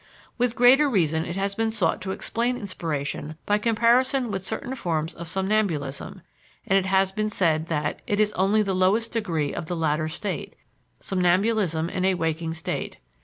With greater reason it has been sought to explain inspiration by comparison with certain forms of somnambulism, and it has been said that "it is only the lowest degree of the latter state, somnambulism in a waking state.